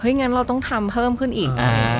งั้นเราต้องทำเพิ่มขึ้นอีก